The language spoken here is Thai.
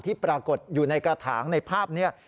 ปรากฏอยู่ในกระถางในภาพนี้